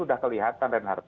sudah kelihatan renard